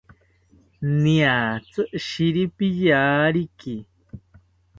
Niatzi shiripiyariki